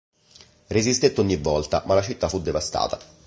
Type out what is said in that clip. Resistette ogni volta, ma la città fu devastata.